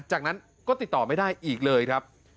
จากนั้นก็ติดต่อไม่ได้อีกเลยครับ